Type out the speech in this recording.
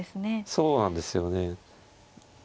そうなんですよね。